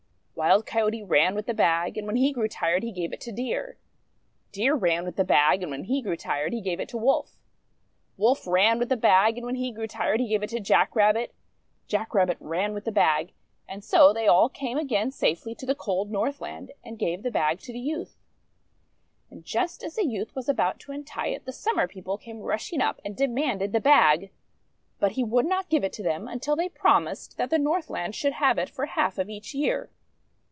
Wild Coyote ran with the bag, and when he grew tired he gave it to Deer. Deer ran with the bag, and when he grew tired he gave it to Wolf. OLD MAN COYOTE AND SUMMER 415 Wolf ran with the bag, and when he grew tired he gave it to Jack Rabbit. Jack Rabbit ran with the bag. And so they all came again safely to the cold Northland, and gave the bag to the youth. And just as the youth was about to untie it, the Summer People came rushing up, and de manded the bag. But he would not give it to them, until they promised that the Northland should have it for half of each year.